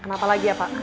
kenapa lagi ya pak